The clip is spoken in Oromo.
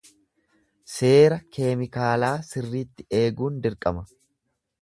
Seera keemikaalaa sirriitti eeguun dirqama.